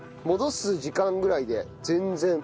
戻す時間ぐらいで全然。